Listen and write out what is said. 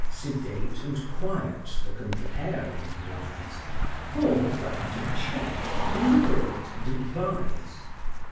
Sedate and quiet the comparing lies, Formed but to check, deliberate, and advise.